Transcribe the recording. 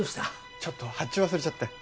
ちょっと発注忘れちゃって